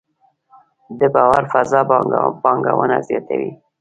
د باور فضا پانګونه زیاتوي؟